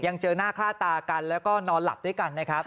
เจอหน้าค่าตากันแล้วก็นอนหลับด้วยกันนะครับ